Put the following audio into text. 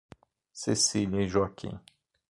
Cecília e Joaquim